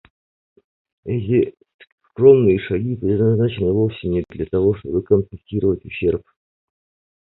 Эти скромные шаги предназначены вовсе не для того, чтобы компенсировать ущерб.